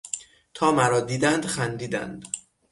تا مرا دیدند خندیدند.